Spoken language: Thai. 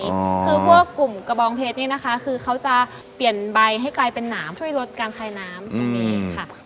คือพวกกลุ่มกระบองเพชรนี่นะคะคือเขาจะเปลี่ยนใบให้กลายเป็นหนามช่วยลดการคลายน้ำตรงนี้ค่ะ